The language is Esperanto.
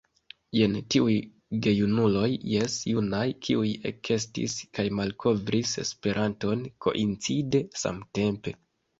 Jen tiuj gejunuloj, jes, junaj, kiuj ekestis kaj malkovris Esperanton, koincide samtempe!